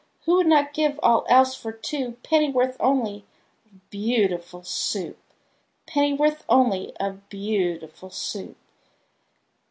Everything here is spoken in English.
Who would not give all else for two Pennyworth only of Beautiful Soup? Pennyworth only of beautiful Soup?